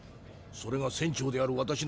それが船長である私の判断だ。